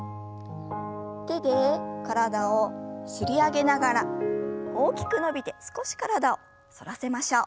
手で体を擦り上げながら大きく伸びて少し体を反らせましょう。